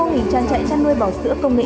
và trang trại trăn nuôi bò sữa công nghệ cao